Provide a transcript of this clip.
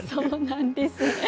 そうなんです。